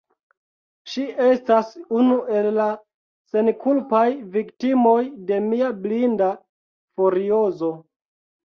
Ŝi estas unu el la senkulpaj viktimoj de mia blinda furiozo.